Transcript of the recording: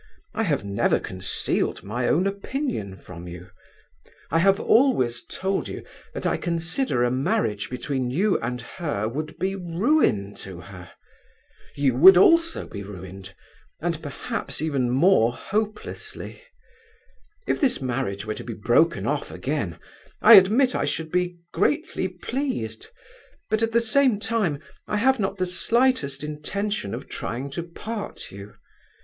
I have never concealed my own opinion from you. I have always told you that I consider a marriage between you and her would be ruin to her. You would also be ruined, and perhaps even more hopelessly. If this marriage were to be broken off again, I admit I should be greatly pleased; but at the same time I have not the slightest intention of trying to part you.